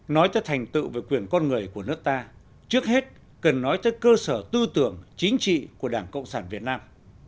nói cho thành tựu về quyền con người của nước ta trước hết cần nói tới cơ sở tư tưởng chính trị của đảng cộng sản việt nam